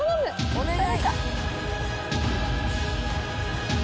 ・・お願い！